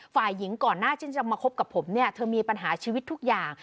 ฝ่ายหญิงก่อนหน้าที่จะมาคบกับผมเนี่ยเธอมีปัญหาชีวิตทุกอย่าง